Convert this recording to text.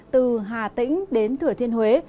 từ hà tĩnh đến thừa thiên huế